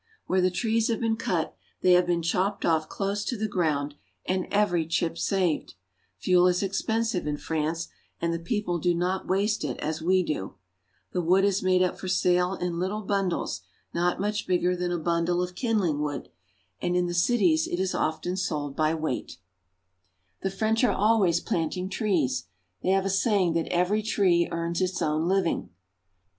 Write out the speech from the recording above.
Where the trees have been cut they have been chopped off close to the ground, and every chip saved. Fuel is expensive in France, and the people do not waste it as we do. The wood is made up for sale in little bundles not much bigger "There is a woman preparing such bark." COMMERCIAL AND MANUFACTURING FRANCE. 95 than a bundle of kindling wood, and in the cities it is often sold by weight. The French are always planting trees ; they have a say ing that every tree earns its own living.